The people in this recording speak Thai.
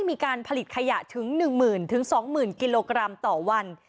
มีการผลิตขยะถึง๑หมื่นถึง๒หมื่นกิโลกรัมต่อวัน